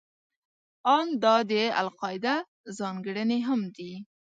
ان دا د القاعده ځانګړنې هم دي.